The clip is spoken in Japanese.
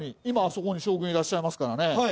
今あそこに将軍いらっしゃいますからね。